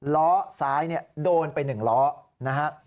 ล้อซ้ายโดนไป๑ล้อนะฮะ